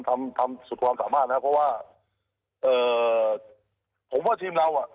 ทำทำสุดความสามารถนะครับเพราะว่าเอ่อผมว่าทีมเราอ่ะ